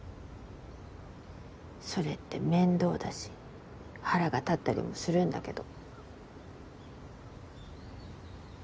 それって面倒だし腹が立ったりもするんだけど。